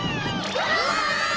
うわ！